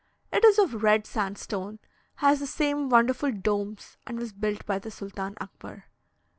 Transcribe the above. It is of red sandstone, has the same wonderful domes, and was built by the Sultan Akbar.